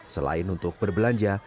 selain untuk berbelanja